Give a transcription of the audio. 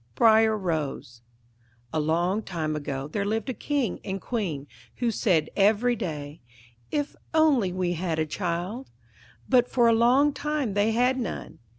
Briar Rose A long time ago there lived a King and Queen, who said every day, 'If only we had a child'; but for a long time they had none.